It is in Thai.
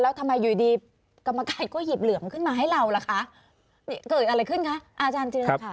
แล้วทำไมอยู่ดีกรรมการก็หยิบเหลือมขึ้นมาให้เราล่ะคะเกิดอะไรขึ้นคะอาจารย์เจรค่ะ